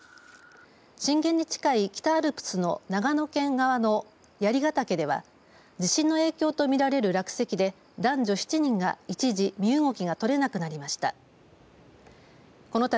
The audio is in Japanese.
震源に近い北アルプスの長野県側の槍ヶ岳では地震の影響とみられる落石で男女７人が一時身動きが取れなくなりました。